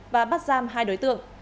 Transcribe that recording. và bắt giam hai đối tượng